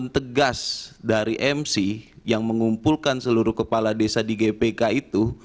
yang kedua apakah statement tegas dari mc yang mengumpulkan seluruh kepala desa di gpk itu